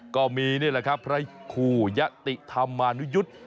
ก็มีนี่แหละครับพระขุยะติธรรมาณุยุธ